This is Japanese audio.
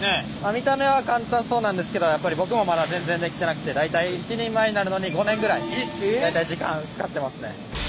見た目は簡単そうなんですけどやっぱり僕もまだ全然できてなくて大体一人前になるのに５年ぐらい大体時間使ってますね。